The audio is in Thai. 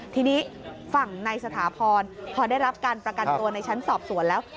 ทีนี้ฝั่งในสถาพรพอได้รับการประกันตัวในชั้นสอบสวนแล้ว